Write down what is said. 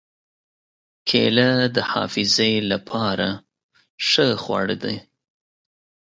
کېله د حافظې له پاره ښه خواړه ده.